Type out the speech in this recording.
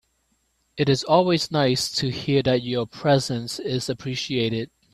It is always nice to hear that your presence is appreciated.